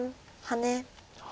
ハネ。